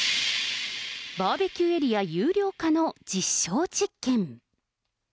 バーベキューエリア有料化の実証実験。